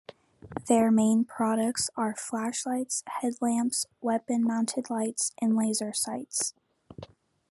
Their main products are flashlights, headlamps, weapon-mounted lights and laser sights.